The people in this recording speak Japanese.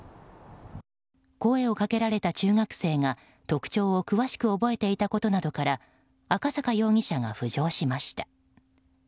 声をかけられた中学生が、特徴を詳しく覚えていたことなどから赤坂容疑者が浮上しました。